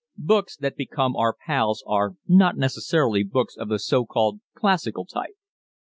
Books that become our "pals" are not necessarily books of the so called classical type.